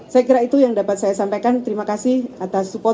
saya kira itu yang dapat saya sampaikan terima kasih atas support